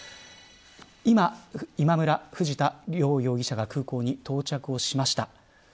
今、今村、藤田両容疑者が空港に到着しました。